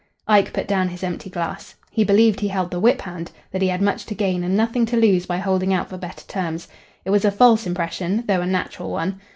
Ike put down his empty glass. He believed he held the whip hand that he had much to gain and nothing to lose by holding out for better terms. It was a false impression, though a natural one.